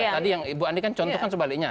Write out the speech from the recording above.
tadi yang bu andi kan contohkan sebaliknya